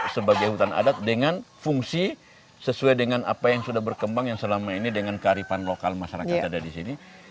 sebagai hutan adat dengan fungsi sesuai dengan apa yang sudah berkembang yang selama ini dengan kearifan lokal masyarakat ada di sini